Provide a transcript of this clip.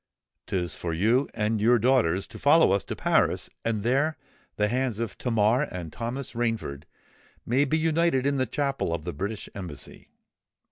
'Tis for you and your daughters to follow us to Paris; and there the hands of Tamar and Thomas Rainford may be united in the chapel of the British Embassy.